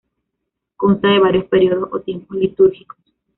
Consta de varios periodos o tiempos litúrgicos.